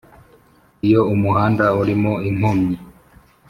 iyo umuhanda urimo inkomyi